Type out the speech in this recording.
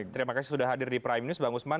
terima kasih sudah hadir di prime news bang usman